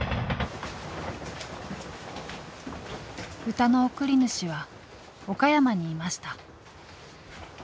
歌の送り主は岡山にいました。